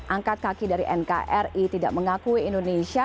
angkat kaki dari nkri tidak mengakui indonesia